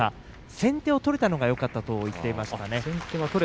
先手を取れたのがよかったと言っていました。